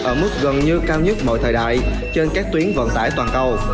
ở mức gần như cao nhất mọi thời đại trên các tuyến vận tải toàn cầu